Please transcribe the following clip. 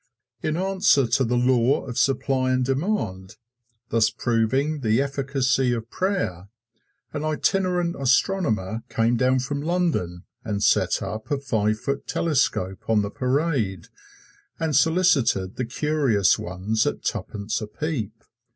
In answer to the law of supply and demand, thus proving the efficacy of prayer, an itinerant astronomer came down from London and set up a five foot telescope on the Parade and solicited the curious ones at a tuppence a peep.